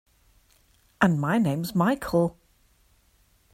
And my name's Michael.